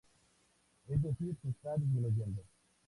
Es decir se está disminuyendo.